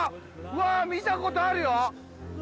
見たことあるよ